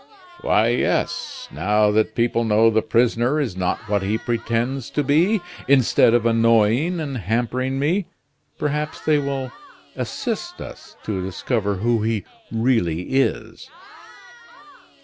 "Why, yes. Now that people know the prisoner is not what he pretends to be, instead of annoying and hampering me, perhaps they will assist us to discover who he really is."